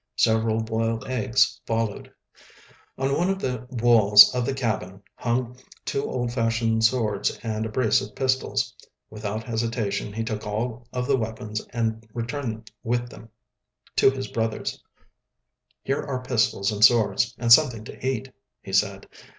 Several boiled eggs followed. On one of the walls of the cabin hung two old fashioned swords and a brace of pistols. Without hesitation he took all of the weapons and returned with them to his brothers. "Here are pistols and swords, and something to eat," he said.